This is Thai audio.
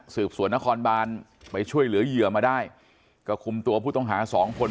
สืบสวนนครบานไปช่วยเหลือเหยื่อมาได้ก็คุมตัวผู้ต้องหาสองคน